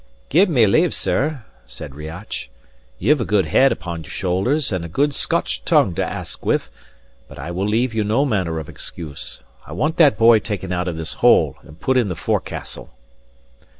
"Give me leave, sir," said Riach; "you've a good head upon your shoulders, and a good Scotch tongue to ask with; but I will leave you no manner of excuse; I want that boy taken out of this hole and put in the forecastle."